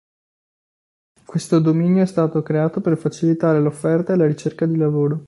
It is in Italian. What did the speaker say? Questo dominio è stato creato per facilitare l'offerta e la ricerca di lavoro.